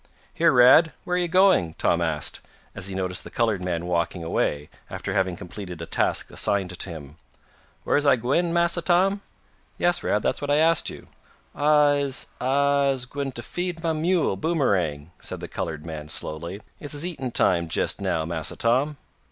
"Here, Rad, where are you going?" Tom asked, as he noticed the colored man walking away, after having completed a task assigned to him. "Where's I gwine, Massa Tom?" "Yes, Rad, that's what I asked you." "I I'se gwine t' feed mah mule, Boomerang," said the colored man slowly. "It's his eatin' time, jest now, Massa Tom."